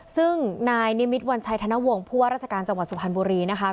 ซึ่งนายนิมิตวันชัยธนวงศ์ผู้ว่าราชการจังหวัดสุพรรณบุรีนะคะ